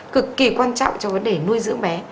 cực kỳ quan trọng cho vấn đề nuôi dưỡng bé